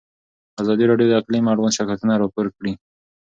ازادي راډیو د اقلیم اړوند شکایتونه راپور کړي.